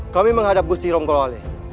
kami menghadap gusti ronggolole